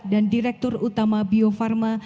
dan direktur utama bio farma